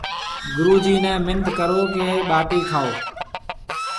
گُرو جِي نَي منٿ ڪرو ڪيَ ٻاٽِي کائون۔